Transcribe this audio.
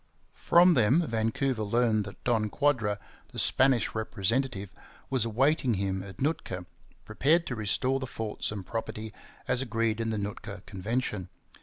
From them Vancouver learned that Don Quadra, the Spanish representative, was awaiting him at Nootka, prepared to restore the forts and property as agreed in the Nootka Convention.